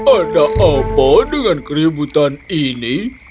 ada apa dengan keributan ini